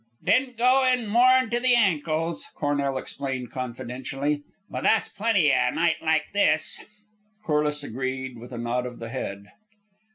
"Didn't go in more'n to the ankles," Cornell explained confidentially; "but that's plenty a night like this." Corliss agreed with a nod of the head.